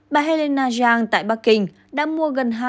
bà helena zhang tại bắc kinh đã mua gần